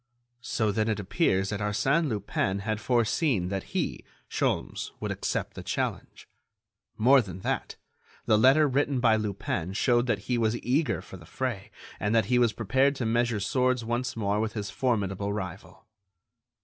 So then it appears that Arsène Lupin had foreseen that he, Sholmes, would accept the challenge. More than that, the letter written by Lupin showed that he was eager for the fray and that he was prepared to measure swords once more with his formidable rival.